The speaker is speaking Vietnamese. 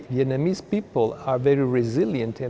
vì vậy tôi chắc rằng người việt nam